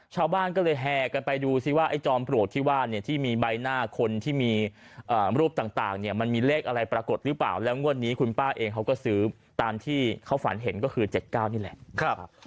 ชาวบ้านก็เลยแห่กันไปดูซิว่าไอ้จอมปลวกที่ว่าเนี่ยที่มีใบหน้าคนที่มีรูปต่างเนี่ยมันมีเลขอะไรปรากฏหรือเปล่าแล้วงวดนี้คุณป้าเองเขาก็ซื้อตามที่เขาฝันเห็นก็คือ๗๙นี่แหละ